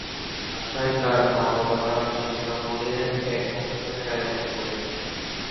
বাসায় তার মা-বাবা তার জন্য জন্মদিনের এক অনুষ্ঠানের আয়োজন করে।